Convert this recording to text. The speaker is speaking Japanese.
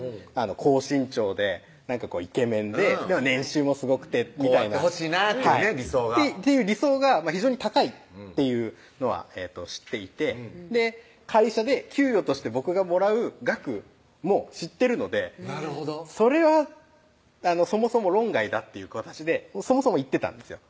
高身長でイケメンで年収もすごくてみたいなこうあってほしいなという理想がっていう理想が非常に高いっていうのは知っていて会社で給与として僕がもらう額も知ってるので「それはそもそも論外だ」っていう形でそもそも言ってたんですよ